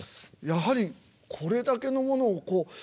やはりこれだけのものをこう。